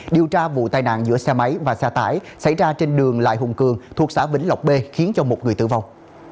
điều tra vụ tai nạn giữa xe máy và xe tải xảy ra trên đường lại hùng cường thuộc xã vĩnh lộc b khiến cho một người tử vong